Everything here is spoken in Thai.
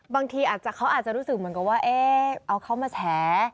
บางทีเขาอาจจะรู้สึกเหมือนกับว่าเอาเขามาแฉ